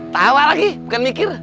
tawa lagi bukan mikir